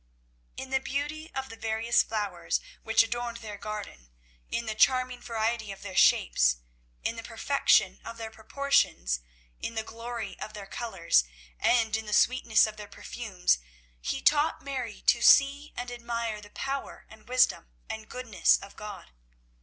In the beauty of the various flowers which adorned their garden, in the charming variety of their shapes, in the perfection of their proportions, in the glory of their colours, and in the sweetness of their perfumes, he taught Mary to see and admire the power and wisdom and goodness of God.